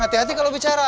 hati hati kalau bicara